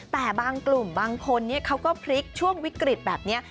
แต่บางกลุ่มบางคนเขาก็พลิกช่วงวิกฤตแบบนี้